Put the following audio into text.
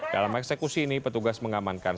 dalam eksekusi ini petugas mengamankan